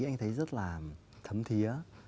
anh thấy rất là thấm thía